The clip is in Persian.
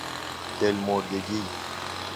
دل مردگی